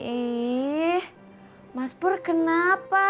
ih mas pur kenapa